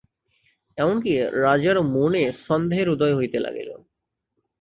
এমন-কি, রাজার মনে সন্দেহের উদয় হইতে লাগিল।